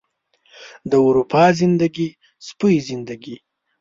د اروپا زندګي، سپۍ زندګي